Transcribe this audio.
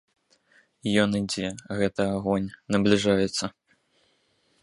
Ён ідзе, гэты агонь, набліжаецца.